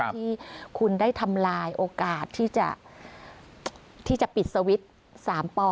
ที่คุณได้ทำลายโอกาสที่จะปิดสวิตช์๓ป